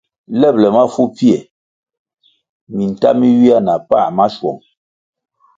Lebʼle mafu pfie, minta mi ywia na pa maschwong.